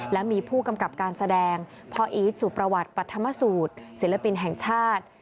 และมีผู้กำกับการแสดงพ่ออีทสุประวัติปรัฐมสูตรศิลปินแห่งชาติ